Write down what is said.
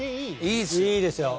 いいですよ。